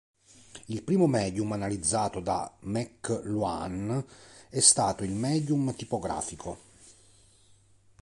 Il primo medium analizzato da McLuhan è stato il medium tipografico.